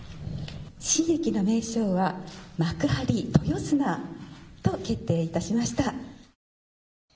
新駅の名称は幕張豊砂と決定いたしました。